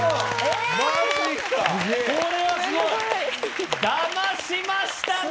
・・これはすごい・騙しましたね！